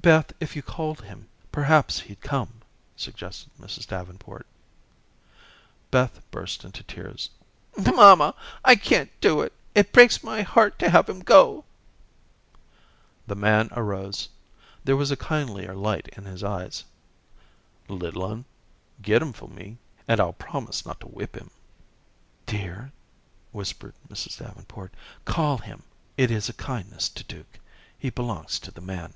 "Beth, if you called him perhaps he'd come," suggested Mrs. Davenport. Beth burst into tears. "Mamma, I can't do it. It breaks my heart to have him go." The man arose. There was a kindlier light in his eyes. "Little un, get him for me and I'll promise not to whip him." "Dear," whispered Mrs. Davenport, "call him; it is a kindness to Duke. He belongs to the man."